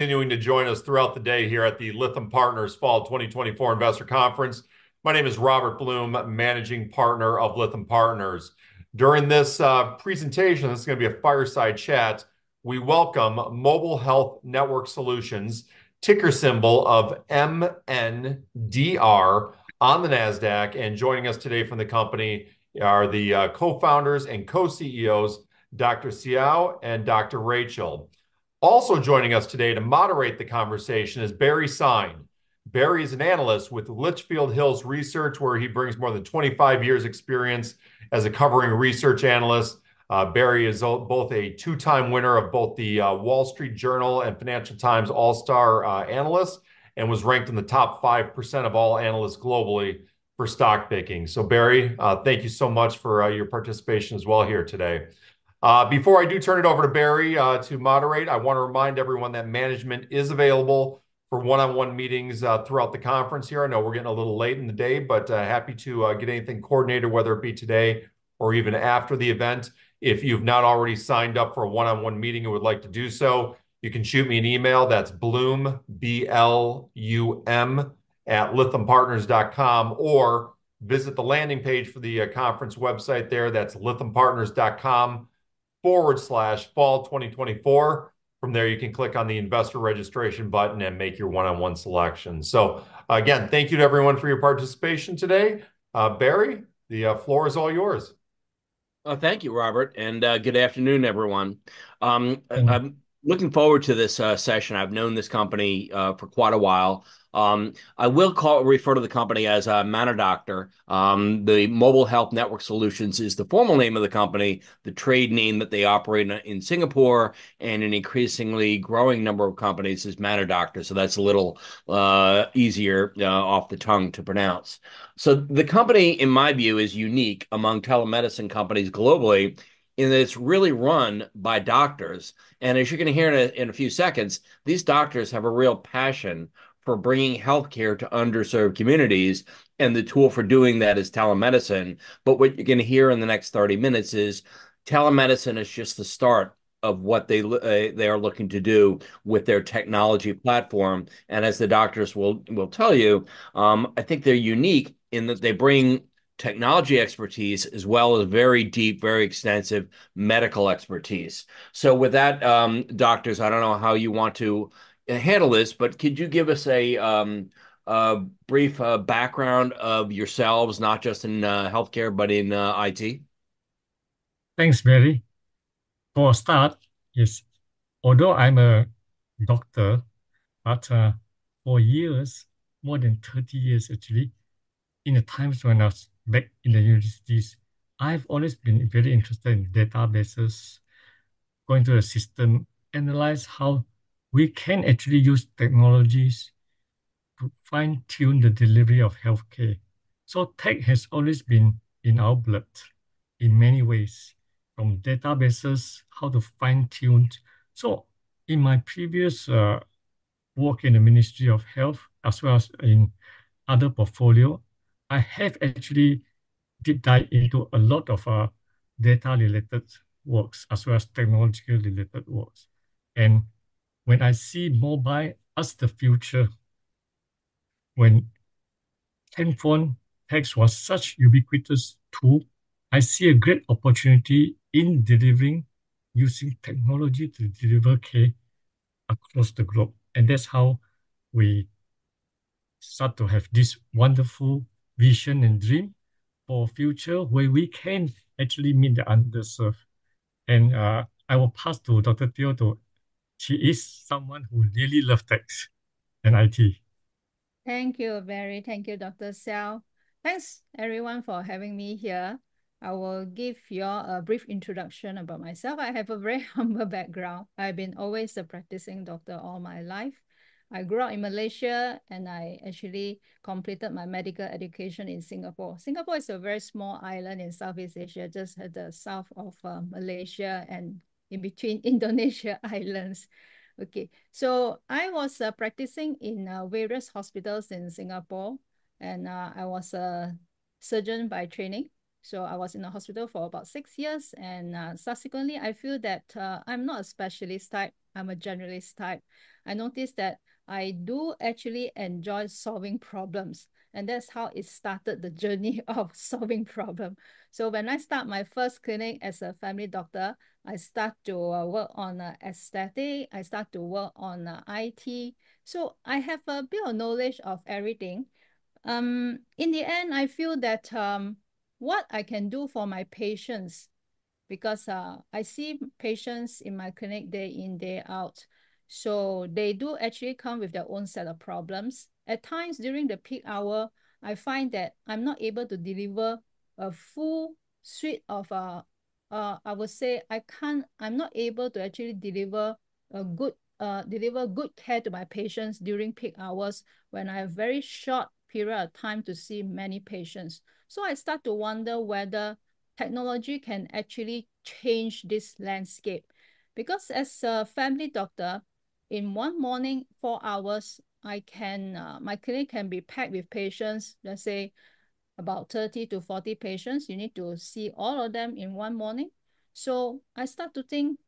Continuing to join us throughout the day here at the Lytham Partners Fall 2024 Investor Conference. My name is Robert Blum, managing partner of Lytham Partners. During this presentation, this is going to be a fireside chat. We welcome Mobile Health Network Solutions, ticker symbol MNDR, on the Nasdaq, and joining us today from the company are the co-founders and co-CEOs, Dr. Siaw and Dr. Rachel. Also joining us today to moderate the conversation is Barry Sine. Barry is an analyst with Litchfield Hills Research, where he brings more than 25 years experience as a covering research analyst. Barry is both a two-time winner of both the Wall Street Journal and Financial Times All-Star Analyst, and was ranked in the top 5% of all analysts globally for stock picking. So Barry, thank you so much for your participation as well here today. Before I do turn it over to Barry to moderate, I want to remind everyone that management is available for one-on-one meetings throughout the conference here. I know we're getting a little late in the day, but happy to get anything coordinated, whether it be today or even after the event. If you've not already signed up for a one-on-one meeting and would like to do so, you can shoot me an email. That's Blum, B-L-U-M, @lythampartners.com, or visit the landing page for the conference website there. That's lythampartners.com/fall2024. From there, you can click on the Investor Registration button and make your one-on-one selection. So again, thank you to everyone for your participation today. Barry, the floor is all yours. Thank you, Robert, and good afternoon, everyone. I'm looking forward to this session. I've known this company for quite a while. I will refer to the company as Matter Doctor. The Mobile Health Network Solutions is the formal name of the company. The trade name that they operate in Singapore and an increasingly growing number of companies is Matter Doctor, so that's a little easier off the tongue to pronounce. So the company, in my view, is unique among telemedicine companies globally, in that it's really run by doctors, and as you're going to hear in a few seconds, these doctors have a real passion for bringing healthcare to underserved communities, and the tool for doing that is telemedicine. But what you're going to hear in the next 30 minutes is telemedicine is just the start of what they are looking to do with their technology platform, and as the doctors will tell you, I think they're unique in that they bring technology expertise as well as very deep, very extensive medical expertise. So with that, doctors, I don't know how you want to handle this, but could you give us a brief background of yourselves, not just in healthcare, but in IT? Thanks, Barry. For a start, yes, although I'm a doctor, but, for years, more than 30 years actually, in the times when I was back in the universities, I've always been very interested in databases, going through a system, analyze how we can actually use technologies to fine-tune the delivery of healthcare. So tech has always been in our blood in many ways, from databases, how to fine-tune. So in my previous, work in the Ministry of Health, as well as in other portfolio, I have actually deep dive into a lot of, data-related works, as well as technology-related works. And when I see mobile as the future, when phone tech was such ubiquitous tool, I see a great opportunity in delivering using technology to deliver care across the globe, and that's how we start to have this wonderful vision and dream for a future where we can actually meet the underserved. And I will pass to Dr. Teoh. She is someone who really love tech and IT. Thank you, Barry. Thank you, Dr. Siaw. Thanks, everyone, for having me here. I will give you all a brief introduction about myself. I have a very humble background. I've been always a practicing doctor all my life. I grew up in Malaysia, and I actually completed my medical education in Singapore. Singapore is a very small island in Southeast Asia, just at the south of Malaysia and in between Indonesia islands. Okay, so I was practicing in various hospitals in Singapore, and I was a surgeon by training, so I was in the hospital for about six years, and subsequently, I feel that, I'm not a specialist type, I'm a generalist type. I noticed that I do actually enjoy solving problems, and that's how it started, the journey of solving problem. So when I start my first clinic as a family doctor, I start to work on aesthetic, I start to work on IT. So I have a bit of knowledge of everything. In the end, I feel that what I can do for my patients, because I see patients in my clinic day in, day out, so they do actually come with their own set of problems. At times, during the peak hour, I find that I'm not able to deliver a full suite of. I will say, I can't. I'm not able to actually deliver good care to my patients during peak hours, when I have very short period of time to see many patients. I start to wonder whether technology can actually change this landscape. Because as a family doctor, in one morning, four hours, I can, my clinic can be packed with patients, let's say, about 30 to 40 patients, you need to see all of them in one morning. So I start to think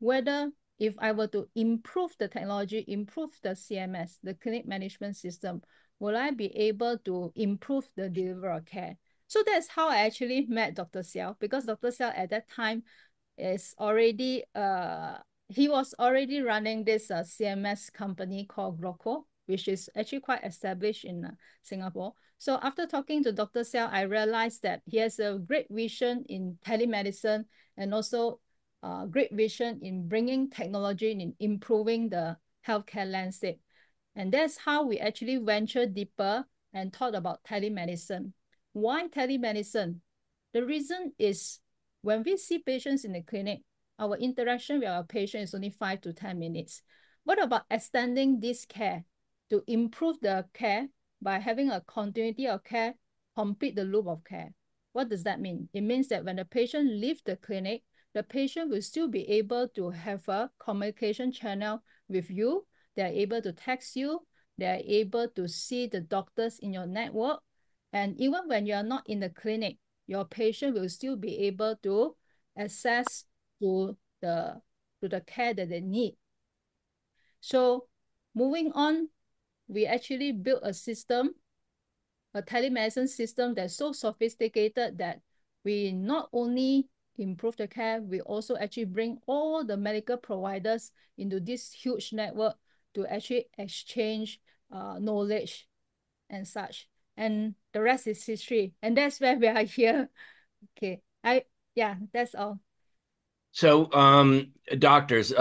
whether if I were to improve the technology, improve the CMS, the clinic management system, will I be able to improve the delivery of care? So that's how I actually met Dr. Siaw, because Dr. Siaw, at that time, is already, he was already running this, CMS company called Gloco, which is actually quite established in, Singapore. So after talking to Dr. Siaw, I realized that he has a great vision in telemedicine, and also, great vision in bringing technology and in improving the healthcare landscape. And that's how we actually ventured deeper and thought about telemedicine. Why telemedicine? The reason is, when we see patients in the clinic, our interaction with our patient is only five to 10 minutes. What about extending this care to improve the care by having a continuity of care, complete the loop of care? What does that mean? It means that when a patient leave the clinic, the patient will still be able to have a communication channel with you. They're able to text you, they're able to see the doctors in your network, and even when you are not in the clinic, your patient will still be able to access to the care that they need. So moving on, we actually built a system, a telemedicine system, that's so sophisticated that we not only improve the care, we also actually bring all the medical providers into this huge network to actually exchange knowledge and such, and the rest is history. And that's why we are here. Okay, I... Yeah, that's all. Doctors,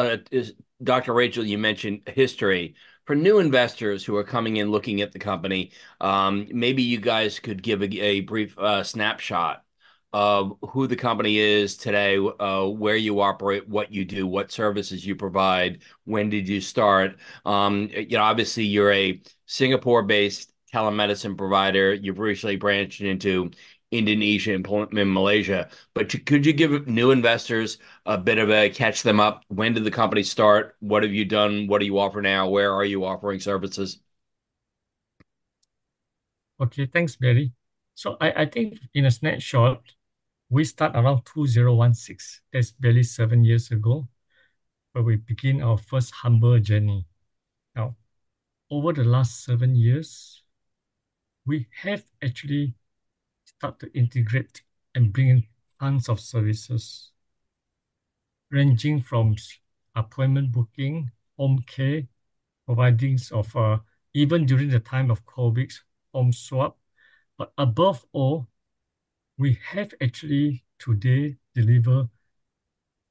Dr. Rachel, you mentioned history. For new investors who are coming in, looking at the company, maybe you guys could give a brief snapshot of who the company is today, where you operate, what you do, what services you provide, when did you start? You know, obviously you're a Singapore-based telemedicine provider. You've recently branched into Indonesia and Malaysia, but could you give new investors a bit of a catch them up? When did the company start? What have you done? What do you offer now? Where are you offering services? Okay, thanks, Barry. So I think in a snapshot, we start around 2016. That's barely seven years ago, where we begin our first humble journey. Now, over the last seven years, we have actually started to integrate and bring in tons of services, ranging from appointment booking, home care, providing of even during the time of COVID, home swab. But above all, we have actually today delivered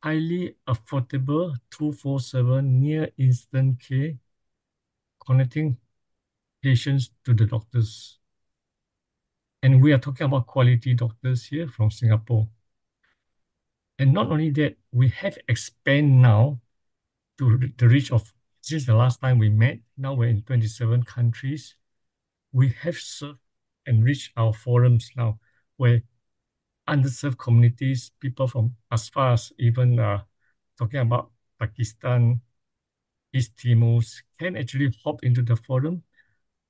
highly affordable, 24/7, near-instant care, connecting patients to the doctors, and we are talking about quality doctors here from Singapore. And not only that, we have expanded now to the reach of... Since the last time we met, now we're in 27 countries. We have served and reached our forums now, where underserved communities, people from as far as even, talking about Pakistan, East Timor, can actually hop into the forum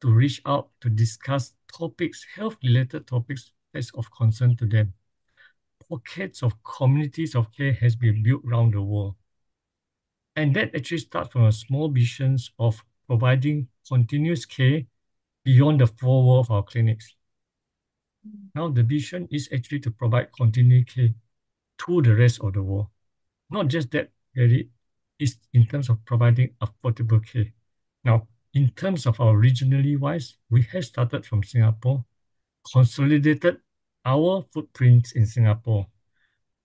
to reach out to discuss topics, health-related topics, that's of concern to them. Pockets of communities of care has been built around the world, and that actually start from a small vision of providing continuous care beyond the four wall of our clinics. Now, the vision is actually to provide continuity to the rest of the world. Not just that, Barry, it's in terms of providing affordable care. Now, in terms of our regionally wise, we have started from Singapore, consolidated our footprint in Singapore.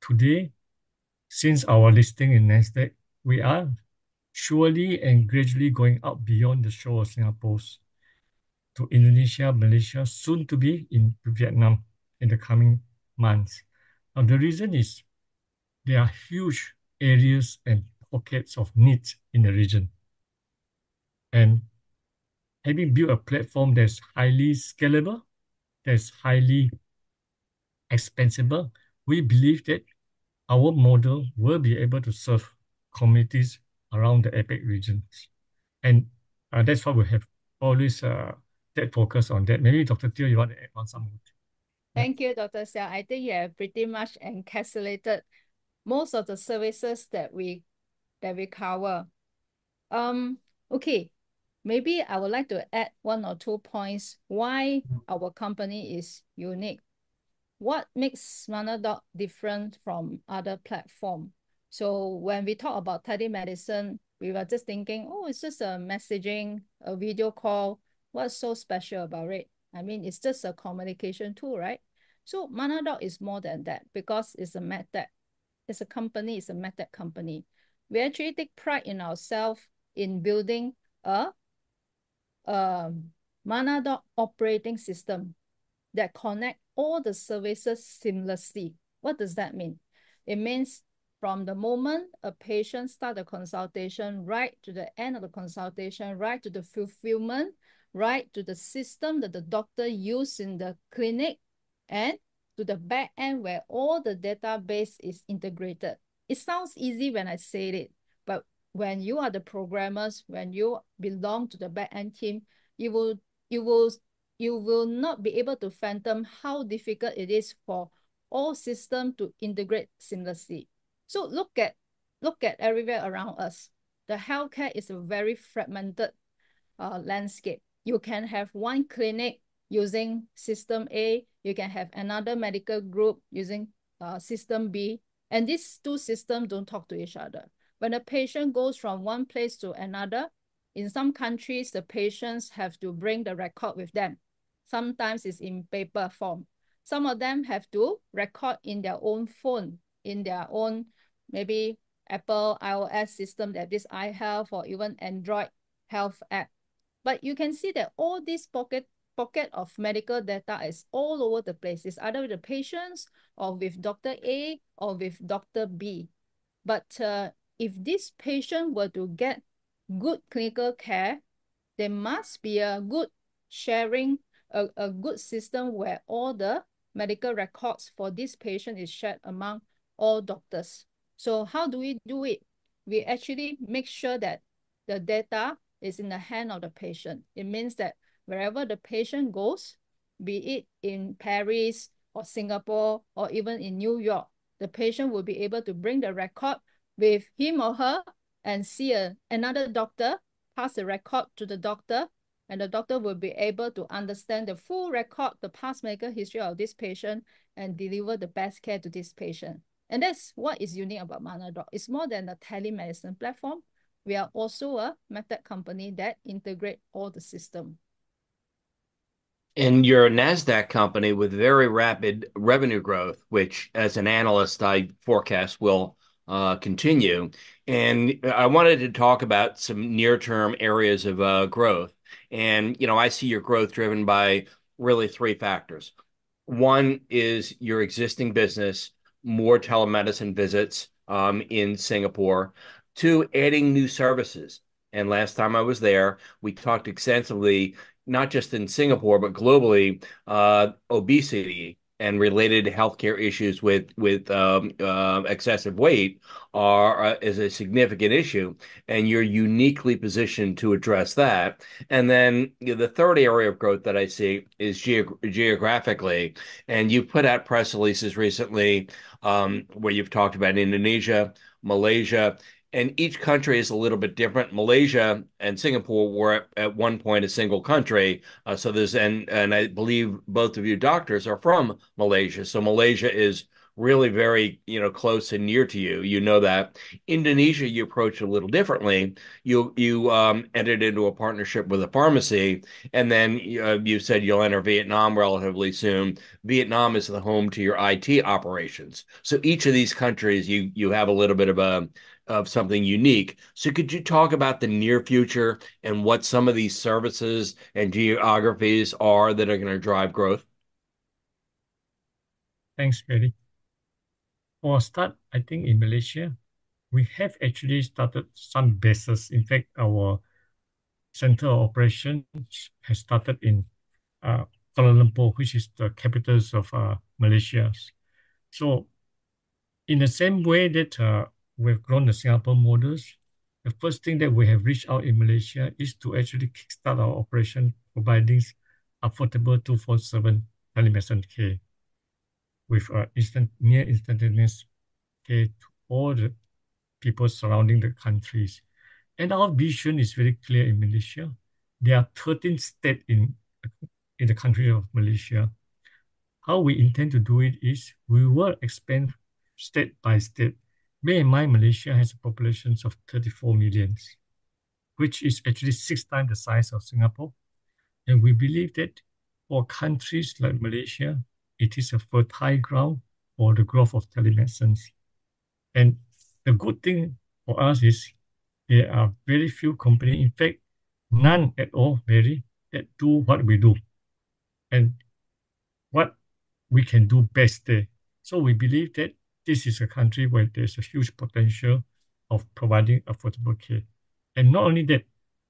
Today, since our listing in Nasdaq, we are surely and gradually going out beyond the shore of Singapore's to Indonesia, Malaysia, soon to be into Vietnam in the coming months. Now, the reason is, there are huge areas and pockets of need in the region, and having built a platform that's highly scalable, that's highly expansible, we believe that our model will be able to serve communities around the APAC region, and that's why we have always that focus on that. Maybe, Dr. Teoh, you want to add on something? Thank you, Dr. Siaw. I think you have pretty much encapsulated most of the services that we cover. Okay, maybe I would like to add one or two points why our company is unique. What makes MaNaDr different from other platform? So when we talk about telemedicine, we were just thinking, "Oh, it's just a messaging, a video call. What's so special about it? I mean, it's just a communication tool, right?" So MaNaDr is more than that, because it's a med tech. It's a company, it's a med tech company. We actually take pride in ourself in building a MaNaDr operating system that connect all the services seamlessly. What does that mean? It means from the moment a patient start a consultation, right to the end of the consultation, right to the fulfillment, right to the system that the doctor use in the clinic, and-... to the back end where all the database is integrated. It sounds easy when I say it, but when you are the programmers, when you belong to the back end team, you will not be able to fathom how difficult it is for all system to integrate seamlessly. So look at everywhere around us. The healthcare is a very fragmented landscape. You can have one clinic using system A, you can have another medical group using system B, and these two systems don't talk to each other. When a patient goes from one place to another, in some countries, the patients have to bring the record with them. Sometimes it's in paper form. Some of them have to record in their own phone, in their own maybe Apple iOS system, that is iHealth, or even Android health app. But you can see that all this pocket of medical data is all over the place. It's either the patients or with Doctor A, or with Doctor B. But if this patient were to get good clinical care, there must be a good sharing, a good system where all the medical records for this patient is shared among all doctors. So how do we do it? We actually make sure that the data is in the hand of the patient. It means that wherever the patient goes, be it in Paris or Singapore, or even in New York, the patient will be able to bring the record with him or her and see another doctor, pass the record to the doctor, and the doctor will be able to understand the full record, the past medical history of this patient, and deliver the best care to this patient. And that's what is unique about MaNaDr. It's more than a telemedicine platform. We are also a MedTech company that integrate all the system. You're a Nasdaq company with very rapid revenue growth, which, as an analyst, I forecast will continue. I wanted to talk about some near-term areas of growth. You know, I see your growth driven by really three factors. One is your existing business, more telemedicine visits in Singapore. Two, adding new services, and last time I was there, we talked extensively, not just in Singapore, but globally, obesity and related healthcare issues with excessive weight is a significant issue, and you're uniquely positioned to address that. Then, you know, the third area of growth that I see is geographically, and you've put out press releases recently, where you've talked about Indonesia, Malaysia, and each country is a little bit different. Malaysia and Singapore were at one point a single country, and I believe both of you doctors are from Malaysia, so Malaysia is really very, you know, close and near to you. You know that. Indonesia, you approach a little differently. You entered into a partnership with a pharmacy, and then you said you'll enter Vietnam relatively soon. Vietnam is the home to your IT operations. So each of these countries, you have a little bit of something unique, so could you talk about the near future, and what some of these services and geographies are that are gonna drive growth? Thanks, Barry. For a start, I think in Malaysia, we have actually started some bases. In fact, our central operation has started in Kuala Lumpur, which is the capital of Malaysia. So in the same way that we've grown the Singapore models, the first thing that we have reached out in Malaysia is to actually kickstart our operation, providing affordable 24/7 telemedicine care, with instant near instantaneous care to all the people surrounding the countries. And our vision is very clear in Malaysia. There are 13 state in the country of Malaysia. How we intend to do it is, we will expand state by state. Bear in mind, Malaysia has a population of 34 million, which is actually six times the size of Singapore, and we believe that for countries like Malaysia, it is a fertile ground for the growth of telemedicine. The good thing for us is, there are very few companies, in fact, none at all, Barry, that do what we do, and what we can do best there. So we believe that this is a country where there's a huge potential of providing affordable care. And not only that,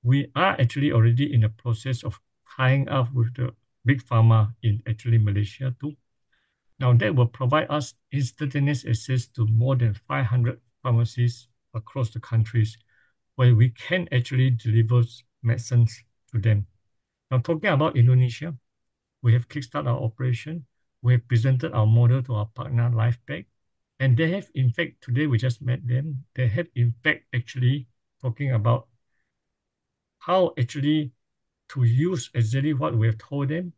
we are actually already in the process of tying up with the big pharma in actually Malaysia, too. Now, that will provide us instantaneous access to more than 500 pharmacies across the countries, where we can actually deliver medicines to them. Now, talking about Indonesia, we have kickstart our operation. We have presented our model to our partner, Lifepack, and they have... In fact, today we just met them. They have, in fact, actually talking about how actually to use exactly what we have told them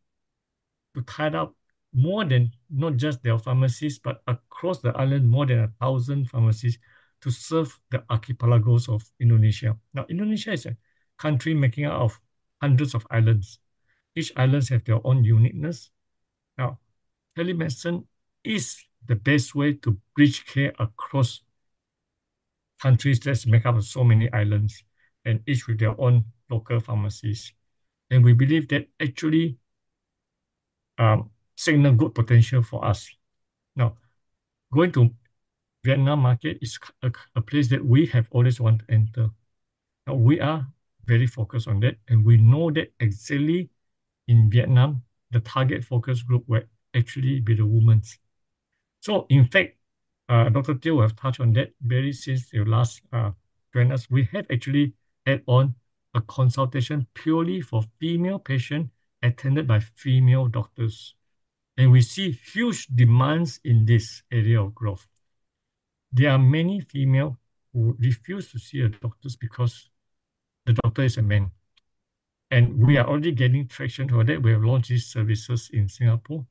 to tie up more than, not just their pharmacies, but across the island, more than 1,000 pharmacies, to serve the archipelagos of Indonesia. Now, Indonesia is a country making up of hundreds of islands. Each islands have their own uniqueness. Now, telemedicine is the best way to bridge care across countries that's make up of so many islands, and each with their own local pharmacies, and we believe that actually signal good potential for us. Now, going to Vietnam market is a place that we have always want to enter. Now, we are very focused on that, and we know that exactly in Vietnam, the target focus group will actually be the women, so in fact, Dr. Teoh have touched on that very since the last webinar. We have actually added on a consultation purely for female patients attended by female doctors, and we see huge demand in this area of growth. There are many females who refuse to see doctors because the doctor is a man, and we are already getting traction for that. We have launched these services in Singapore.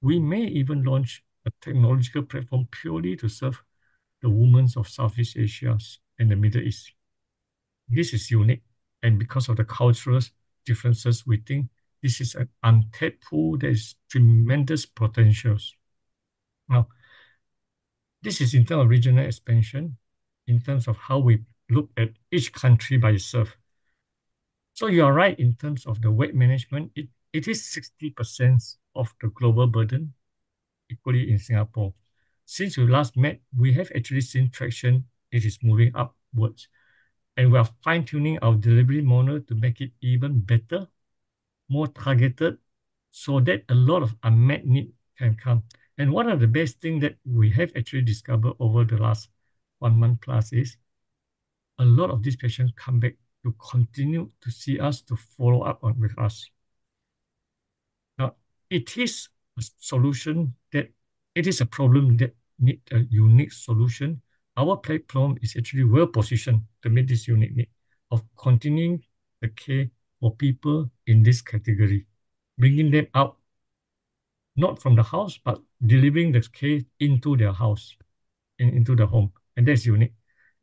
We may even launch a technological platform purely to serve the women of Southeast Asia and the Middle East. This is unique, and because of the cultural differences, we think this is an untapped pool that has tremendous potential. Now, this is in terms of regional expansion, in terms of how we look at each country by itself. So you are right, in terms of the weight management, it is 60% of the global burden, equally in Singapore. Since we last met, we have actually seen traction. It is moving upwards, and we are fine-tuning our delivery model to make it even better, more targeted, so that a lot of unmet need can come. And one of the best thing that we have actually discovered over the last one month plus is a lot of these patients come back to continue to see us, to follow up on with us. Now, it is a solution that... it is a problem that need a unique solution. Our platform is actually well-positioned to meet this unique need of continuing the care for people in this category, bringing them out, not from the house, but delivering this care into their house and into the home, and that's unique,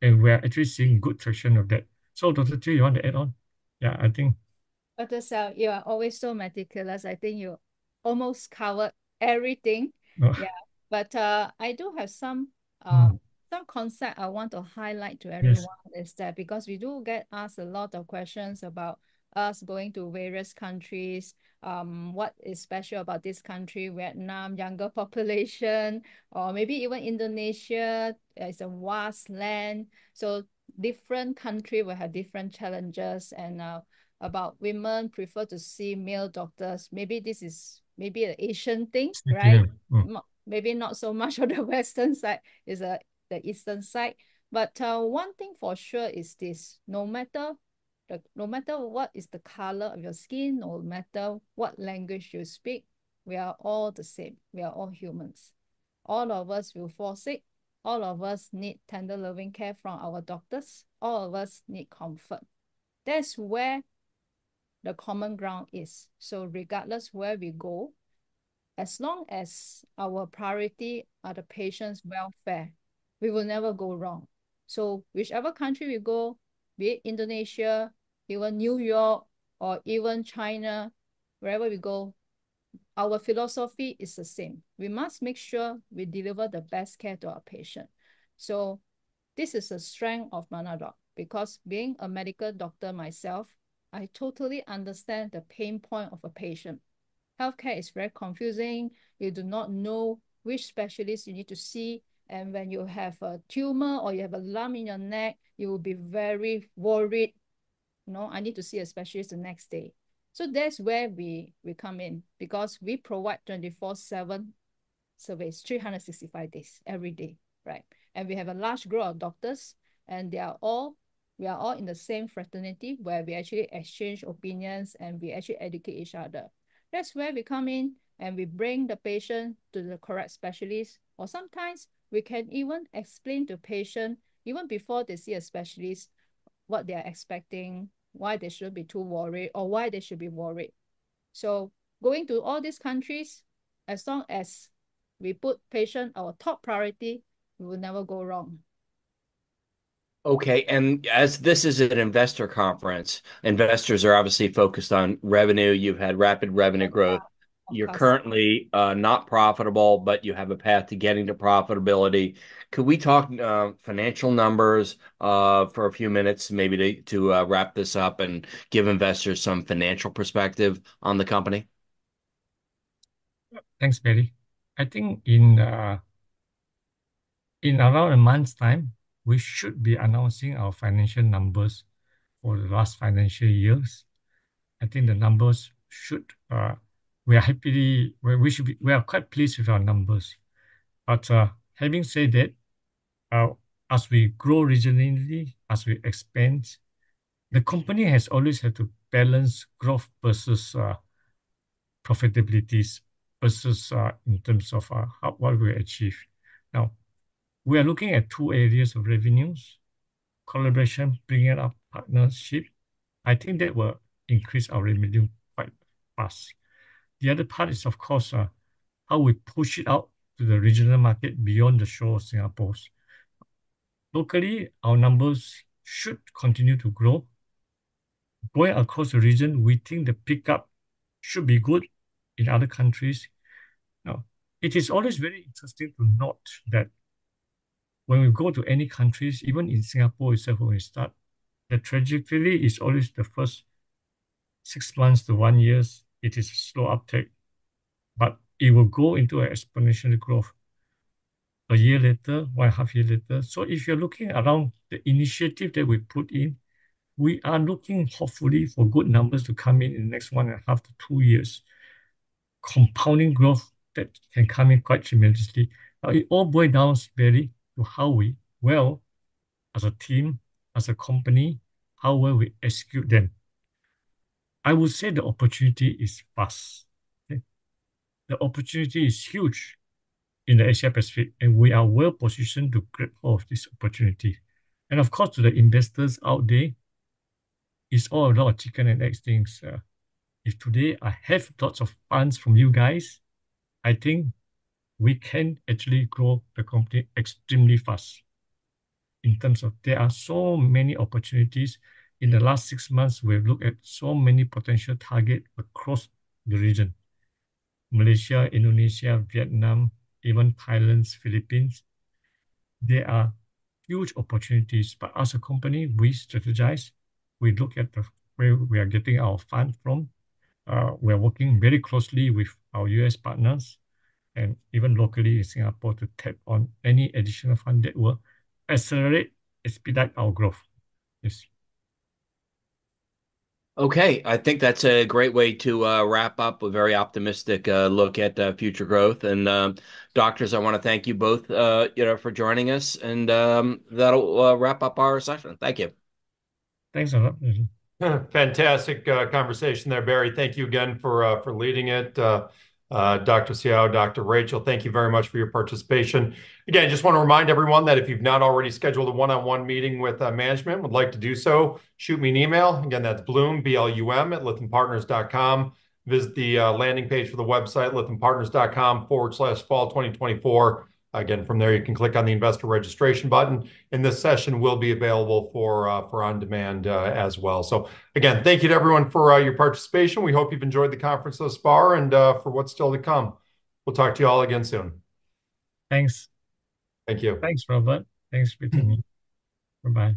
and we are actually seeing good traction of that. So, Dr. Teoh, you want to add on? Yeah, I think- Dr. Siaw, you are always so meticulous. I think you almost covered everything. Yeah. Yeah, but I do have some, Mm... some concept I want to highlight to everyone- Yes... is that because we do get asked a lot of questions about us going to various countries, what is special about this country, Vietnam, younger population, or maybe even Indonesia, it's a vast land. So different country will have different challenges and, about women prefer to see male doctors. Maybe this is an Asian thing, right? Yeah. Mm. Maybe not so much on the western side, it's the eastern side, but one thing for sure is this: no matter what is the color of your skin, no matter what language you speak, we are all the same. We are all humans. All of us will fall sick, all of us need tender loving care from our doctors, all of us need comfort. That's where the common ground is, so regardless where we go, as long as our priority are the patient's welfare, we will never go wrong, so whichever country we go, be it Indonesia, even New York, or even China, wherever we go, our philosophy is the same. We must make sure we deliver the best care to our patient. So this is a strength of MaNaDr, because being a medical doctor myself, I totally understand the pain point of a patient. Healthcare is very confusing. You do not know which specialist you need to see, and when you have a tumor or you have a lump in your neck, you will be very worried. "No, I need to see a specialist the next day." So that's where we come in, because we provide 24/7 service, 365 days, every day, right? And we have a large group of doctors, and we are all in the same fraternity, where we actually exchange opinions, and we actually educate each other. That's where we come in, and we bring the patient to the correct specialist, or sometimes we can even explain to patient, even before they see a specialist, what they are expecting, why they shouldn't be too worried, or why they should be worried. So going to all these countries, as long as we put patient our top priority, we will never go wrong. Okay, and as this is an investor conference, investors are obviously focused on revenue. You've had rapid revenue growth. Yeah, of course. You're currently not profitable, but you have a path to getting to profitability. Could we talk financial numbers for a few minutes, maybe to wrap this up and give investors some financial perspective on the company? Yep. Thanks, Barry. I think in, in around a month's time, we should be announcing our financial numbers for the last financial years. I think the numbers should. We are quite pleased with our numbers. But, having said that, as we grow regionally, as we expand, the company has always had to balance growth versus, profitabilities, versus, in terms of, how, what we achieve. Now, we are looking at two areas of revenues: collaboration, bringing up partnership. I think that will increase our revenue quite fast. The other part is, of course, how we push it out to the regional market beyond the shore of Singapore. Locally, our numbers should continue to grow. Going across the region, we think the pickup should be good in other countries. Now, it is always very interesting to note that when we go to any countries, even in Singapore itself, when we start, the tragedy is always the first six months to one year, it is a slow uptake, but it will go into an exponential growth a year later, one half year later. So if you're looking around the initiative that we put in, we are looking hopefully for good numbers to come in in the next one and a half to two years. Compounding growth that can come in quite tremendously. But it all boils down, Barry, to how we, well, as a team, as a company, how well we execute them. I would say the opportunity is vast, okay? The opportunity is huge in the Asia-Pacific, and we are well positioned to grab all of this opportunity. And of course, to the investors out there, it's all a lot of chicken and eggs things. If today I have lots of funds from you guys, I think we can actually grow the company extremely fast in terms of there are so many opportunities. In the last six months, we have looked at so many potential target across the region: Malaysia, Indonesia, Vietnam, even Thailand, Philippines. There are huge opportunities, but as a company, we strategize. We look at the where we are getting our fund from. We are working very closely with our U.S. partners and even locally in Singapore, to tap on any additional fund that will accelerate, expedite our growth. Yes. Okay, I think that's a great way to wrap up a very optimistic look at future growth. And, doctors, I want to thank you both, you know, for joining us, and that'll wrap up our session. Thank you. Thanks a lot. Fantastic, conversation there, Barry. Thank you again for leading it. Dr Siaw, Dr Rachel, thank you very much for your participation. Again, just want to remind everyone that if you've not already scheduled a one-on-one meeting with management, would like to do so, shoot me an email. Again, that's Blum, B-L-U-M, @lythampartners.com. Visit the landing page for the website, lythampartners.com/fall2024. Again, from there, you can click on the Investor Registration button, and this session will be available for on-demand as well. So again, thank you to everyone for your participation. We hope you've enjoyed the conference thus far and for what's still to come. We'll talk to you all again soon. Thanks. Thank you. Thanks, Robert. Thanks for tuning in. Bye-bye.